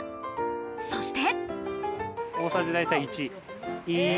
そして。